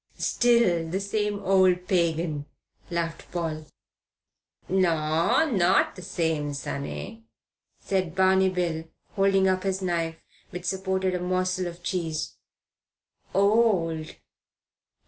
"Still the same old pagan," laughed Paul. "No, not the same, sonny," said Barney Bill, holding up his knife, which supported a morsel of cheese. "Old.